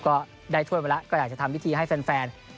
ก็ได้ถ้วยไปแล้วก็อยากจะทำพิธีให้แฟน